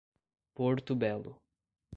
Porto Belo